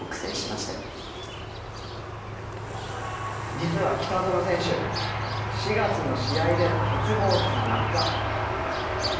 実は北園選手４月の試合で鉄棒から落下。